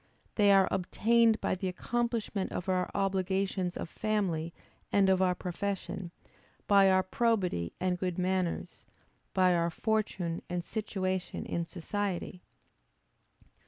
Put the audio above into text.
They are obtained by the accomplishment of our obligations of family and of our profession; by our probity and good manners; by our fortune and situation in society.